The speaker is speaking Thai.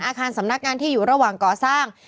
อาคารสำนักงานที่อยู่ระหว่างก่อสร้าง